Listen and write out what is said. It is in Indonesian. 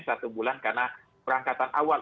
satu bulan karena perangkatan awal